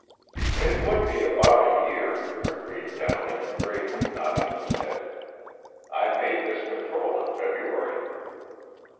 "It would be about a year," agreed Downey, gravely nodding his head. "I made this patrol in February."